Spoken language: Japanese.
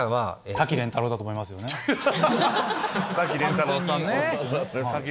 瀧廉太郎さんね！